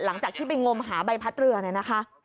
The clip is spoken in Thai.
หลังจากที่ไปงมหาใบพัดเรือเนี่ยนะคะ